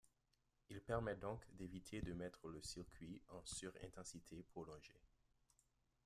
Il permet donc d'éviter de mettre le circuit en surintensité prolongée.